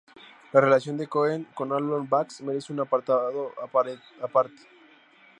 La relación de Cohen con Arnold Bax merece un apartado aparte.